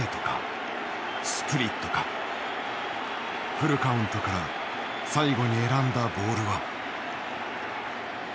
フルカウントから最後に選んだボールは。